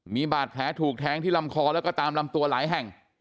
มีบาดแผลถูกแทงที่ลำคอแล้วก็ตามลำตัวหลายแห่ง